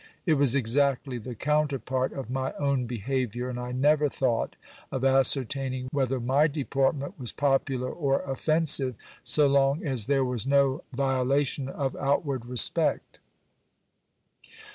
It was exactly the counterpart of my own behaviour: and I never thought of ascertaining whether my deportment was popular or offensive, so long as there was no violation of outward respect.